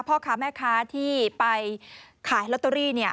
พ่อค้าแม่ค้าที่ไปขายลอตเตอรี่